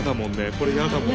これ嫌だもん。